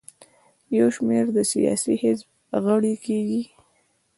یو شمېر د سیاسي حزب غړي کیږي.